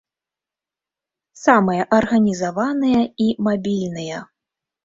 Самыя арганізаваныя і мабільныя.